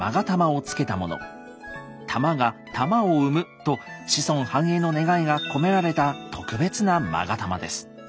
「玉が玉を産む」と子孫繁栄の願いが込められた特別な勾玉です。